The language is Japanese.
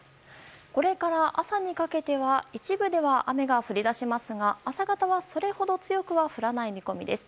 これから朝にかけては一部では雨が降り出しますが朝方は、それほど強くは降らない見込みです。